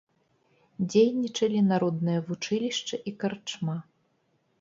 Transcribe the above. Дзейнічалі народнае вучылішча і карчма.